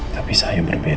tapi saya berbeda